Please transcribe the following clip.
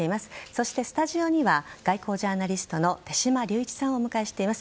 そして、スタジオには外交ジャーナリストの手嶋龍一さんをお迎えしています。